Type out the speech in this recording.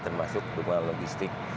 termasuk dukungan logistik